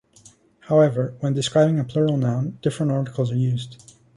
However, when describing a plural noun, different articles are used.